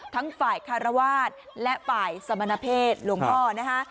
ทั้งฝ่ายคารวาสและฝ่ายสมณเพศหลวงพ่อนะคะ